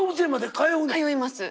通います。